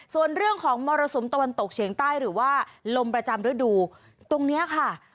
ส่วนเรื่องของมรสุมตะวันตกเฉียงใต้หรือว่าลมประจำฤดูตรงนี้ค่ะ